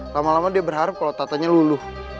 lama lama dia berharap kalau tatanya luluh